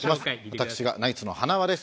私がナイツの塙です。